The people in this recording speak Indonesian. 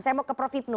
saya mau ke prof hipnu